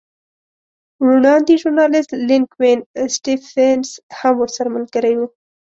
روڼ اندی ژورنالېست لینک ولن سټېفنس هم ورسره ملګری و.